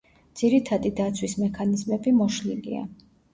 ძირითადი დაცვის მექანიზმები მოშლილია.